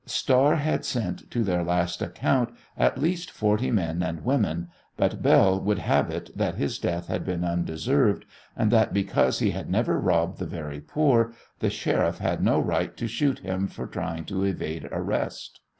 Star had sent to their last account at least forty men and women, but Belle would have it that his death had been undeserved, and that because he had never robbed the very poor the Sheriff had no right to shoot him for trying to evade arrest.